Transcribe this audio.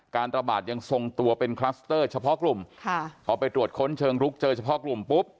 ระบาดยังทรงตัวเป็นคลัสเตอร์เฉพาะกลุ่มค่ะพอไปตรวจค้นเชิงลุกเจอเฉพาะกลุ่มปุ๊บ